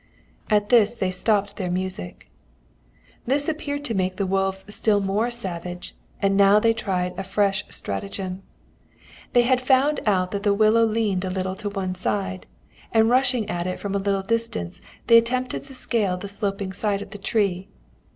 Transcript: "At this they stopped their music. "This appeared to make the wolves still more savage, and now they tried a fresh stratagem. "They had found out that the willow leaned a little to one side, and rushing at it from a little distance, they attempted to scale the sloping side of the tree.